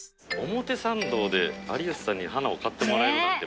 表参道で有吉さんに花を買ってもらえるなんて。